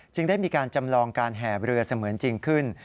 ได้มีการจำลองการแห่เรือเสมือนจริงขึ้น